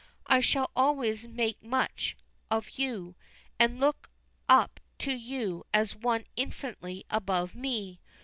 I shall always make much of you, and look up to you as one infinitely above me.